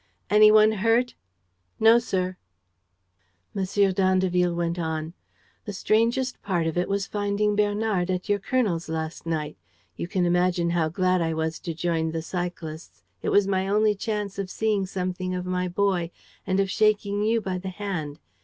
"Any one hurt?" "No, sir." M. d'Andeville went on: "The strangest part of it was finding Bernard at your colonel's last night. You can imagine how glad I was to join the cyclists. It was my only chance of seeing something of my boy and of shaking you by the hand.